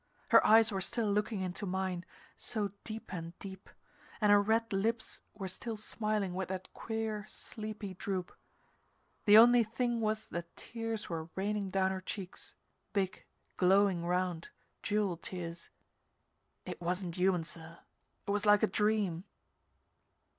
Her eyes were still looking into mine, so deep and deep, and her red lips were still smiling with that queer, sleepy droop; the only thing was that tears were raining down her cheeks big, glowing round, jewel tears. It wasn't human, sir. It was like a dream.